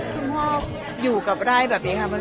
คุณพ่ออยู่กับรายแบบนี้นะครับ